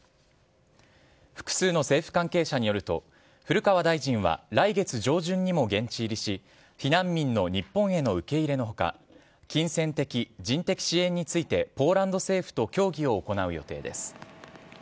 複数の政府関係者によると古川大臣は来月上旬にも現地入りし避難民の日本への受け入れの他金銭的・人的支援についてポーランド政府と協議を行う予定です。